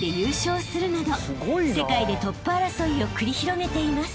［世界でトップ争いを繰り広げています］